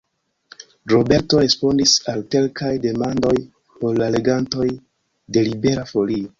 Roberto respondis al kelkaj demandoj por la legantoj de Libera Folio.